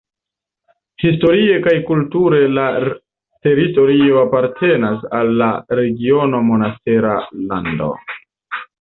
Historie kaj kulture la teritorio apartenas al la regiono Monastera Lando.